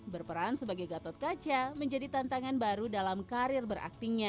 berperan sebagai gatot kaca menjadi tantangan baru dalam karir beraktingnya